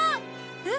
えっ！